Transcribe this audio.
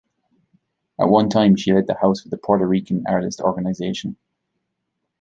At one time, she led the House of the Puerto Rican Artist organization.